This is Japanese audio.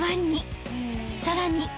［さらに］